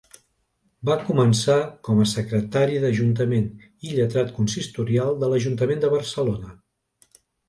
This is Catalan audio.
Va començar com a secretari d'ajuntament i lletrat consistorial de l'Ajuntament de Barcelona.